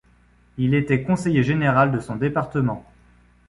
Il était conseiller général de son département.